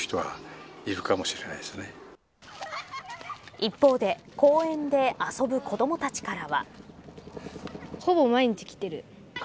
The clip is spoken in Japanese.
一方で公園で遊ぶ子どもたちからは。